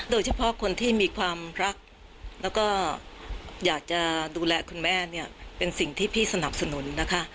โดยเฉพาะคนที่มีความรักแล้วก็อยากจะดูแลคุณแม่เนี่ยเป็นสิ่งที่พี่สนับสนุนนะคะ